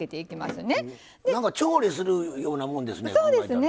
なんか調理するようなもんですね。